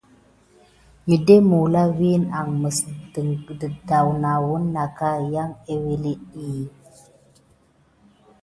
Winən noula ɗa anŋɓa amma wiyin də kini. Sənga adedi.